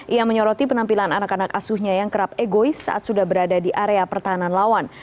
ia menyoroti penampilan anak anak asuhnya yang kerap egois saat sudah berada di area pertahanan lawan